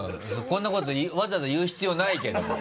こんなことわざわざ言う必要ないけども。